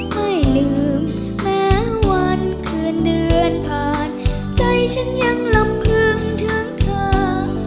ไม่ลืมแม้วันคืนเดือนผ่านใจฉันยังลำพึงทั้งทาง